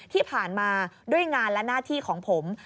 ที่ผ่านมาด้วยงานและหน้าที่ของผม